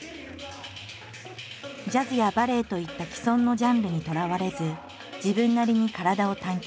ジャズやバレエといった既存のジャンルにとらわれず自分なりに体を探求。